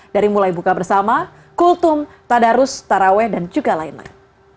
dari mulai buka bersama kultum tadarus taraweh dan juga lain lain